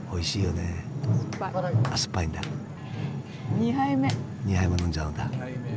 ２杯も飲んじゃうんだ。